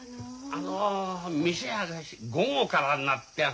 あの店は午後からんなって。